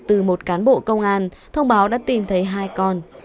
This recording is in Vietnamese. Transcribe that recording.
từ một cán bộ công an thông báo đã tìm thấy hai con